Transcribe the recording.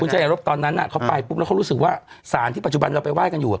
ชายรบตอนนั้นเขาไปปุ๊บแล้วเขารู้สึกว่าสารที่ปัจจุบันเราไปไห้กันอยู่